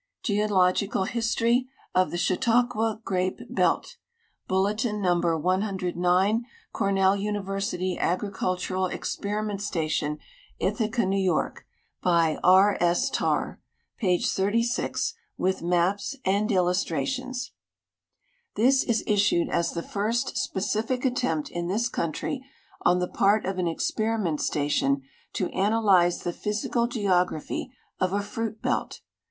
Geolof/iral Hhtorii of Ihe Chantauqua Grape Belt. Bulletin No. 109, Cornell T^niversity Agricultural Plxperiment Station, Ithaca, N. Y. By R. S. Tarr. Pp. 30, with maps and illustrations. This is issueil as the first specific attempt in this country on the part of an exiieriment station to analyze the physical geography of a fruit belt.